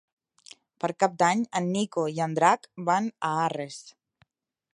Per Cap d'Any en Nico i en Drac van a Arres.